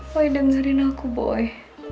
boy dengerin aku boy